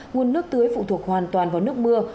nguồn nước tưới phụ thuộc hoàn toàn vào nước mưa